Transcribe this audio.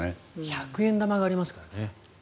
百円玉がありますからね。